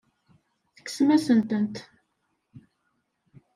Tekksem-asent-tent.